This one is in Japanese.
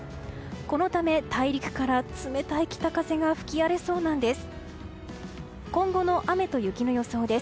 このため、大陸から冷たい北風が吹き荒れそうなんです。